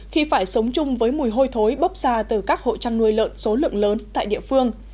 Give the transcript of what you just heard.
khi phải sống chung với mùi hôi thối bốc ra từ các hộ chăn nuôi lợn số lượng lớn tại địa phương